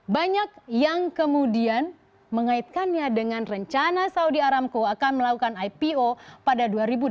banyak yang kemudian mengaitkannya dengan rencana saudi aramco akan melakukan ipo pada dua ribu delapan belas